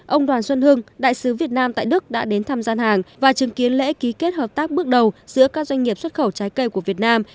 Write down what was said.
ông đoàn xuân hưng đại sứ việt nam tại đức đã đến thăm gian hàng và chứng kiến lễ ký kết hợp tác bước đầu giữa các doanh nghiệp xuất khẩu trái cây của việt nam